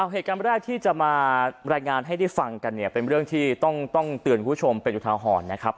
เหตุการณ์แรกที่จะมารายงานให้ได้ฟังกันเนี่ยเป็นเรื่องที่ต้องเตือนคุณผู้ชมเป็นอุทาหรณ์นะครับ